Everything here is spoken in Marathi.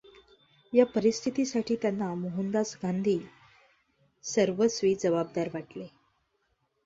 या परिस्थितीसाठी त्यांना मोहनदास गांधी सर्वस्वी जवाबदार वाटले.